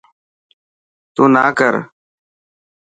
تون نا ڪر.